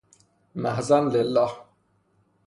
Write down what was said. محضاً لله